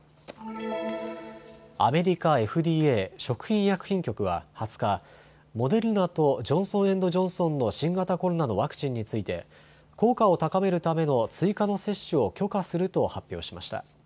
アメリカＦＤＡ・食品医薬品局は２０日、モデルナとジョンソン・エンド・ジョンソンの新型コロナのワクチンについて効果を高めるための追加の接種を許可すると発表しました。